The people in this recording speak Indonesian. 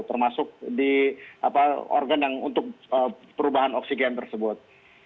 termasuk di organ yang untuk perubahan oksigen tersebut